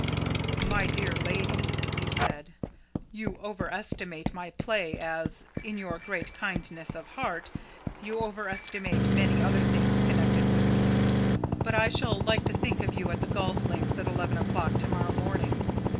"My dear lady," he said, "you overestimate my play as, in your great kindness of heart, you overestimate many other things connected with me. But I shall like to think of you at the golf links at eleven o'clock to morrow morning.